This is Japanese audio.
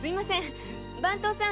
番頭さん